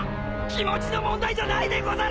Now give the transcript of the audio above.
気持ちの問題じゃないでござる！